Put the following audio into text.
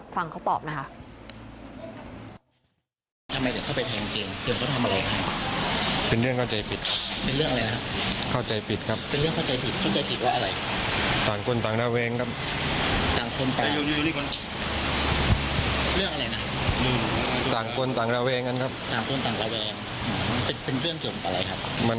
ฟังเขาตอบนะคะ